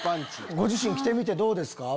ご自身着てみてどうですか？